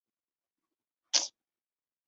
也是司铎级枢机前田万叶的领衔圣堂。